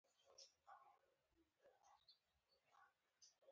د پښتنو په کلتور کې د ښه عمل بدله جنت دی.